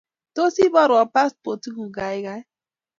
Tos, iborwo paspotitngung, gaigai?